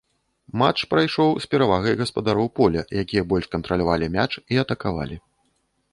Матч прайшоў з перавагай гаспадароў поля, якія больш кантралявалі мяч і атакавалі.